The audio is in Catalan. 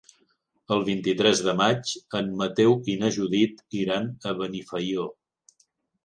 El vint-i-tres de maig en Mateu i na Judit iran a Benifaió.